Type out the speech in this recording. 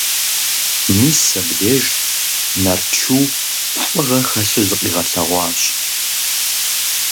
Мис абдеж Нарчу лӀыгъэ хэлъу зыкъигъэлъэгъуащ.